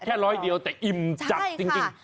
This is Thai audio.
แค่ร้อยเดียวแต่อิ่มจัดจริง